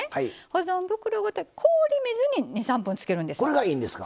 保存袋ごと、氷水に２３分つけるんです。